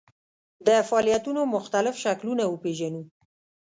د فعالیتونو مختلف شکلونه وپېژنو.